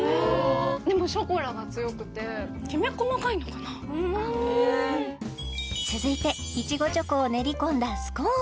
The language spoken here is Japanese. でもショコラが強くてきめ細かいのかな続いていちごチョコを練り込んだスコーン